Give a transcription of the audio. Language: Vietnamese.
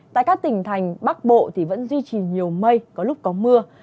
tại các tỉnh thành bắc bộ thì vẫn duy trì nhiều mây có lúc có mưa